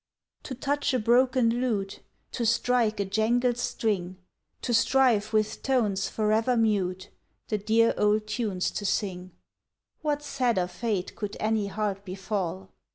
To touch a broken lute, To strike a jangled string, To strive with tones forever mute The dear old tunes to sing What sadder fate could any heart befall?